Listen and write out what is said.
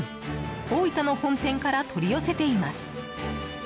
大分の本店から取り寄せています。